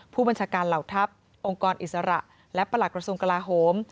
ผู้บัญชาการเหล่าทัพองค์กรอิสระและประหลักกระทรวงกลาโหม